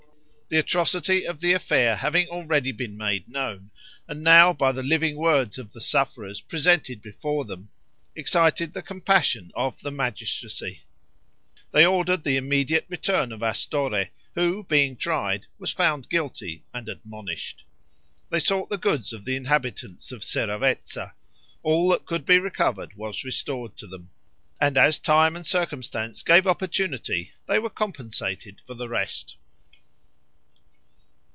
The atrocity of the affair having already been made known, and now by the living words of the sufferers presented before them, excited the compassion of the magistracy. They ordered the immediate return of Astorre, who being tried, was found guilty, and admonished. They sought the goods of the inhabitants of Seravezza; all that could be recovered was restored to them, and as time and circumstance gave opportunity, they were compensated for the rest.